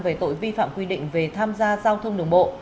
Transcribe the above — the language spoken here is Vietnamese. về tội vi phạm quy định về tham gia giao thông đường bộ